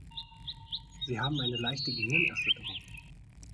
Sie haben eine leichte Gehirnerschütterung.